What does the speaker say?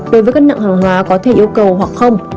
đối với các nặng hàng hóa có thể yêu cầu hoặc không